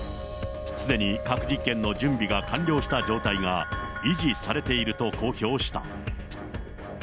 すでに核実験の準備が完了した状態が維持されていると公表した。